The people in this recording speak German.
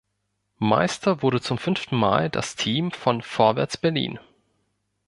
Meister wurde zum fünften Mal das Team von Vorwärts Berlin.